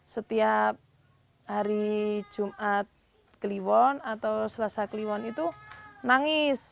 setiap hari jumat kliwon atau selasa kliwon itu nangis